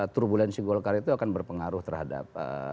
turbulensi golkar itu akan berpengaruh terhadap